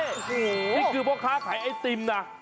ที่คือเพราะค้าขายเอสติมนะ